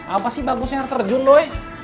apa sih bagusnya r terjun doi